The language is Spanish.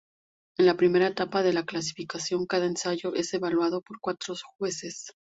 En la primera etapa de la clasificación, cada ensayo es evaluado por cuatro jueces.